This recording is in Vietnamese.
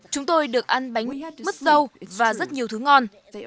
chúng tôi được ăn bánh mứt dâu và rất nhiều thứ ngon